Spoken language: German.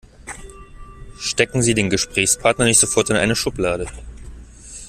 Stecken Sie den Gesprächspartner nicht sofort in eine Schublade.